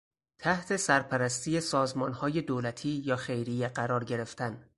تحت سرپرستی سازمانهای دولتی یا خیریه قرار گرفتن